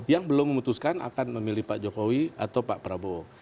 yang belum memutuskan akan memilih pak jokowi atau pak prabowo